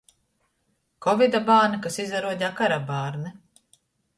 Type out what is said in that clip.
Kovida bārni, kas izaruodeja kara bārni.